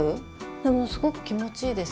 でもすごく気持ちいいです。